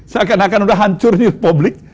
saya akan akan sudah hancur ini republik